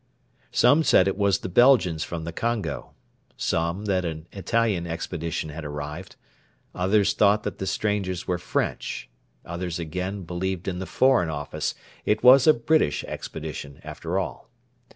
Some said it was the Belgians from the Congo; some that an Italian expedition had arrived; others thought that the strangers were French; others, again, believed in the Foreign Office it was a British expedition, after all.